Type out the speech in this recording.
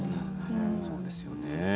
そうですよね。